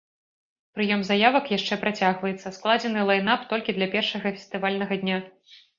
Прыём заявак яшчэ працягваецца, складзены лайн-ап толькі для першага фестывальнага дня.